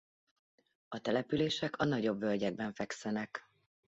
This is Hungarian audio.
A települések a nagyobb völgyekben fekszenek.